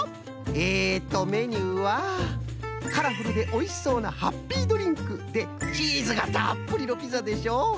えっとメニューはカラフルでおいしそうなハッピードリンクでチーズがたっぷりのピザでしょ。